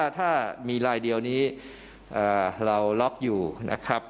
ถ้ามีลายเดียวนี้เราล็อกอยู่นะครับ